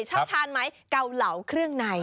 ชอบทานไหมเกาเหลาเครื่องใน